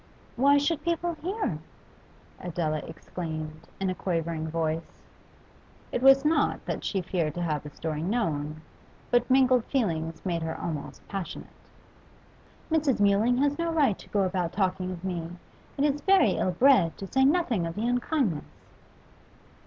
'Why should people hear?' Adela exclaimed, in a quivering voice. It was not that she feared to have the story known, but mingled feelings made her almost passionate. 'Mrs. Mewling has no right to go about talking of me. It is very ill bred, to say nothing of the unkindness.